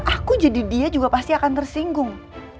aku jadi dia juga pasti akan tersinggung